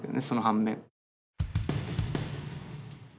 その反面。